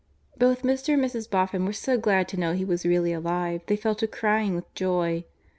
Both Mr. and Mrs. Boffin were so glad to know he was really alive they fell to crying with joy.